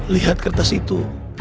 lihat kertas itu